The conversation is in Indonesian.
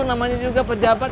namanya juga pejabat